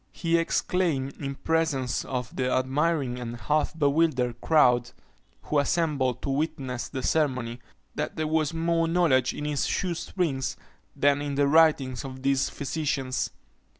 He exclaimed, in presence of the admiring and half bewildered crowd, who assembled to witness the ceremony, that there was more knowledge in his shoe strings than in the writings of these physicians.